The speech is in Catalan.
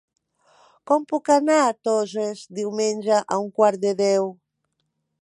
Com puc anar a Toses diumenge a un quart de deu?